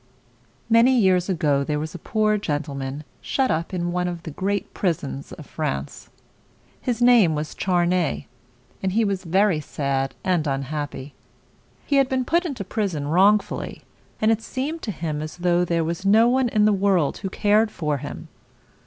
Many years ago there was a poor gentleman shut up in one of the great prisons of France. His name was Char ney, and he was very sad and un hap py. He had been put into prison wrong ful ly, and it seemed to him as though there was no one in the world who cared for him.